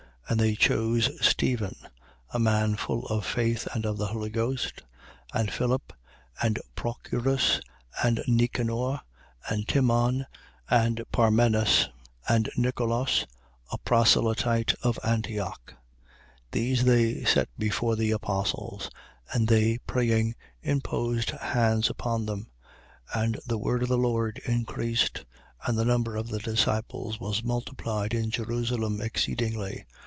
And they chose Stephen, a man full of faith and of the Holy Ghost, and Philip and Prochorus and Nicanor, and Timon and Parmenas and Nicolas, a proselyte of Antioch. 6:6. These they set before the apostles: and they praying, imposed hands upon them. 6:7. And the word of the Lord increased: and the number of the disciples was multiplied in Jerusalem exceedingly.